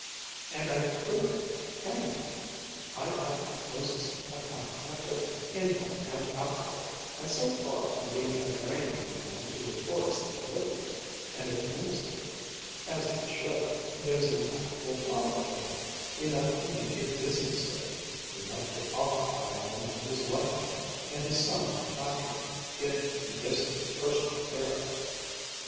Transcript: And I've proved it can be. I've had the closest account kept of income and outgo, and so far from being a drain on a man to reforest his woodland and administer it as he should, there's an actual profit in it, enough to make a business of it, enough to occupy a man for his lifetime and his son after him, if he gives it his personal care."